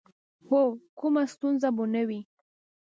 هو، کومه ستونزه به نه وي.